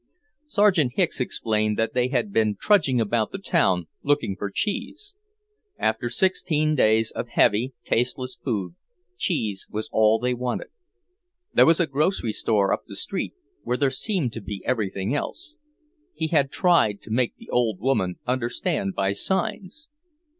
Sergeant Hicks explained that they had been trudging about the town, looking for cheese. After sixteen days of heavy, tasteless food, cheese was what they all wanted. There was a grocery store up the street, where there seemed to be everything else. He had tried to make the old woman understand by signs.